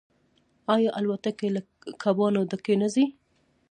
آیا الوتکې له کبانو ډکې نه ځي؟